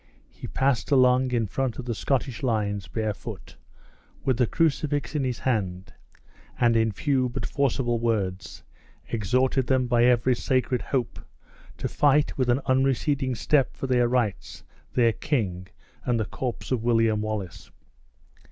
He passed along in front of the Scottish lines barefoot, with the crucifix in his hand, and in few but forcible words exhorted them by every sacred hope, to fight with an unreceding step for their rights, their king, and the corpse of William Wallace!